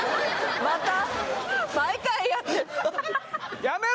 また？